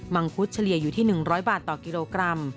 ังคุดเฉลี่ยอยู่ที่๑๐๐บาทต่อกิโลกรัม